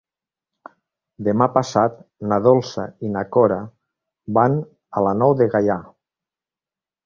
Demà passat na Dolça i na Cora van a la Nou de Gaià.